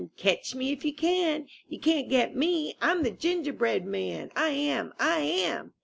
Catch me if you can! You can't get me! I'm the Gingerbread Man, I am! I am!